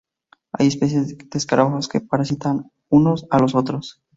Hay especies de escarabajos que parasitan a unos o a los otros.